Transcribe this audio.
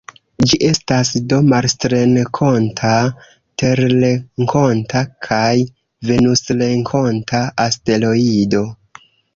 Ĝi estas do marsrenkonta, terrenkonta kaj venusrenkonta asteroido.